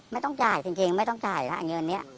ไม่ต้องจ่ายจริงไม่ต้องจ่ายแล้วเงินนี้